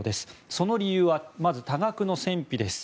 その理由はまず多額の戦費です。